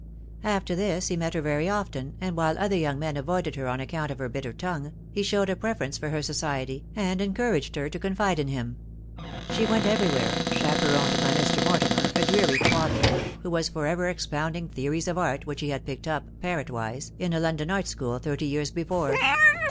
After this he met her very often, and while other young men avoided her on account of her bitter tongue, he showed a pre ference for her society, and encouraged her to confide in him. She went everywhere, chaperoned by Mr. Mortimer, a dreary twaddler, who was for ever expounding theories of art which he had picked up, parrotwise, in a London art school thirty years before.